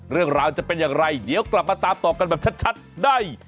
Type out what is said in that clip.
เรื่องราวจะเป็นอย่างไรเดี๋ยวกลับมาตามต่อกันแบบชัดได้